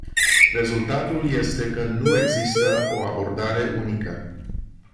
Rezultatul este că nu există o abordare unică.